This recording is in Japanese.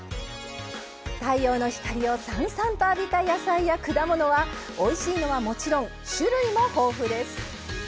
太陽の光をさんさんと浴びた野菜や果物はおいしいのはもちろん種類も豊富です。